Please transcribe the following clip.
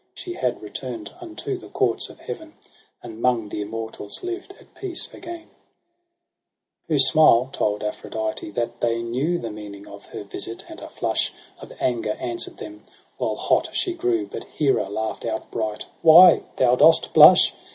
She had return'd unto the courts of Heaven, And 'mong the immortals liv'd at peace again : Whose smile told Aphrodite that they knew The meaning of her visit ; and a flush Of anger answer'd them, while hot she grew. But Hera laugh'd outright :' Why thou dost blush